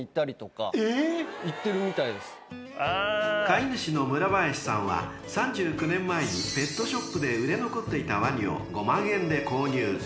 ［飼い主の村林さんは３９年前にペットショップで売れ残っていたワニを５万円で購入］